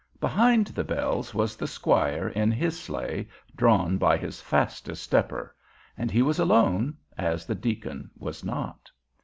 Behind the bells was the squire in his sleigh drawn by his fastest stepper, and he was alone, as the deacon was not.